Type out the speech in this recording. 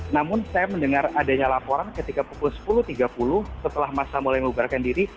namun saya mendengar adanya laporan ketika pukul sepuluh tiga puluh setelah masa mulai mengubarkan diri